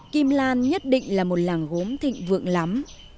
kim lan nhất định là một làng gốm thịnh vượng lắm